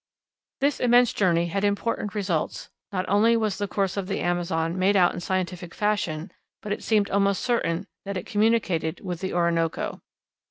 This immense journey had important results not only was the course of the Amazon made out in scientific fashion, but it seemed almost certain that it communicated with the Orinoco.